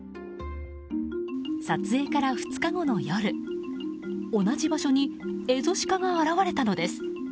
撮影から２日後の夜同じ場所にエゾシカが現れたのです。